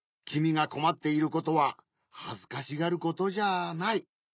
きみがこまっていることははずかしがることじゃない。